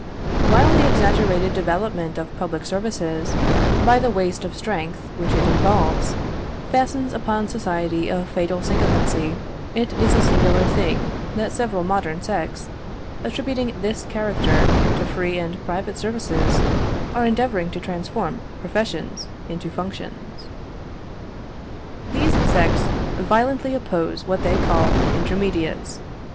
While the exaggerated development of public services, by the waste of strength which it involves, fastens upon society a fatal sycophancy, it is a singular thing that several modern sects, attributing this character to free and private services, are endeavouring to transform professions into functions. These sects violently oppose what they call intermediates.